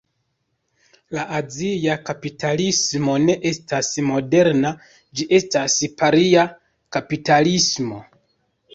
La azia kapitalismo ne estas moderna, ĝi estas paria kapitalismo.